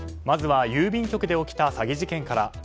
まずは郵便局で起きた詐欺事件から。